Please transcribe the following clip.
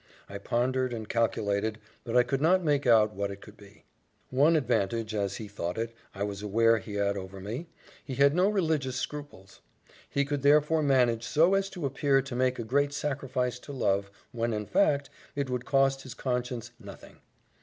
I pondered, and calculated, but I could not make out what it could be. One advantage, as he thought it, I was aware he had over me he had no religious scruples; he could therefore manage so as to appear to make a great sacrifice to love, when, in fact, it would cost his conscience nothing.